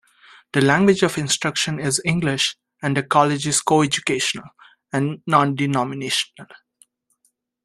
The language of instruction is English and the College is co-educational and non-denominational.